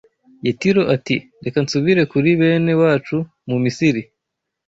Yetiro ati reka nsubire kuri bene wacu mu Misiri